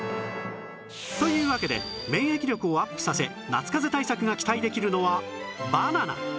というわけで免疫力をアップさせ夏かぜ対策が期待できるのはバナナ！